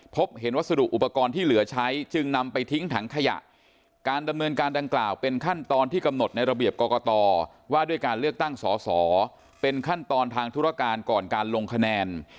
พบเห็นวัสดุอุปกรณ์ที่เหลือใช้จึงนำไปทิ้งถังขยะการดำเนินการดังกล่าวเป็นขั้นตอนที่กำหนดในระเบียบกรกตว่าด้วยการเลือกตั้งสอสอเป็นขั้นตอนทางธุรการก่อนการลงคะแนน